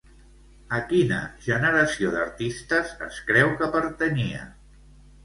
A quina generació d'artistes es creu que pertanyia?